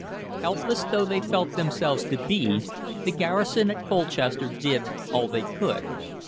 Helpless though they felt themselves to be, the garrison at Colchester did all they could.